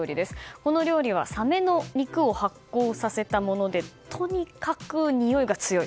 この料理はサメの肉を発酵させたものでとにかくにおいが強い。